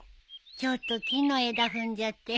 ちょっと木の枝踏んじゃって。